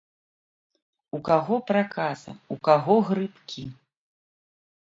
У каго праказа, у каго грыбкі.